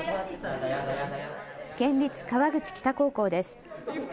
県立川口北高校です。